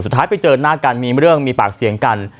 ไปเจอหน้ากันมีเรื่องมีปากเสียงกัน